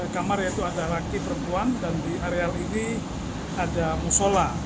kamar yaitu ada laki perempuan dan di areal ini ada musola